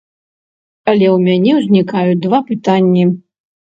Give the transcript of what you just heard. Але ў мяне узнікаюць два пытанні.